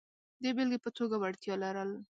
د بېلګې په توګه وړتیا لرل.